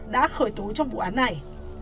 đã khởi tố trong vụ án này